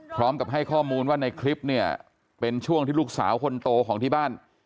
พร้อมกับให้ข้อมูลว่าในคลิปเนี่ยเป็นช่วงที่ลูกสาวคนโตของที่บ้าน